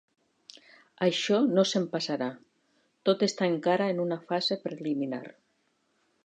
Això no se'm passarà... Tot està encara en una fase preliminar.